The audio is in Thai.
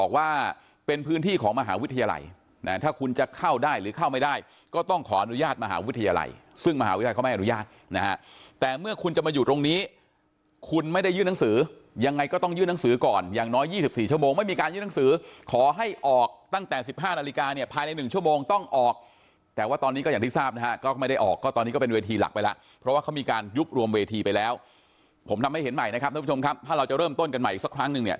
ก็ไม่อนุญาตนะแต่เมื่อคุณจะมาอยู่ตรงนี้คุณไม่ได้ยื่นหนังสือยังไงก็ต้องยื่นหนังสือก่อนอย่างน้อย๒๔ชั่วโมงไม่มีการยื่นหนังสือขอให้ออกตั้งแต่๑๕นาฬิกาเนี่ยภายใน๑ชั่วโมงต้องออกแต่ว่าตอนนี้ก็อย่างที่ทราบนะฮะก็ไม่ได้ออกก็ตอนนี้ก็เป็นเวทีหลักไปแล้วเพราะว่าเขามีการยุบรวมเวทีไปแล้วผมทำให้เห